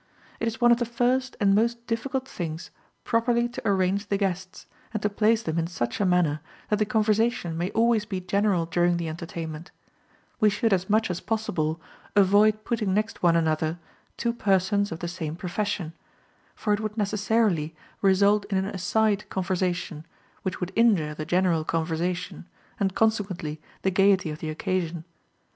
It is one of the first and most difficult things properly to arrange the guests, and to place them in such a manner that the conversation may always be general during the entertainment; we should as much as possible avoid putting next one another, two persons of the same profession; for it would necessarily result in an aside conversation, which would injure the general conversation, and consequently the gaiety of the occasion.